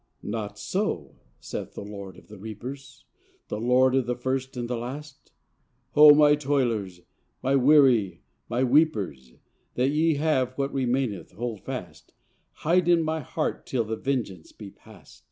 " Not so," saith the Lord of the reapers, The Lord of the first and the last; " O My toilers, My weary, My weepers, What ye have, what remaineth, hold fast, Hide in My heart till the vengeance be past.